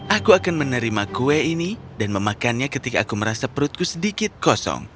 aku akan menerima kue ini dan memakannya ketika aku merasa perutku sedikit kosong